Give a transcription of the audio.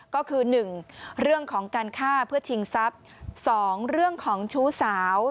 ก็คือ๑เรื่องของการฆ่าเพื่อชิงทรัพย์๒เรื่องของชู้สาว